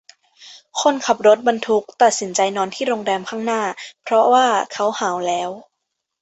คนขับรถบรรทุกตักสินใจนอนที่โรงแรมข้างหน้าเพราะว่าเขาหาวแล้ว